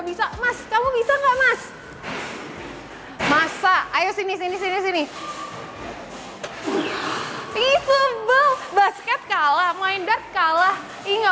bisa mas kamu bisa enggak mas masa ayo sini sini sini sini isu belum basket kalah main dark kalah ini